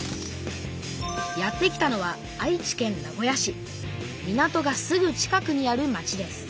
やって来たのは港がすぐ近くにある町です。